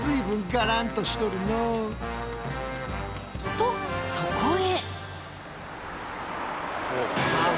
とそこへ！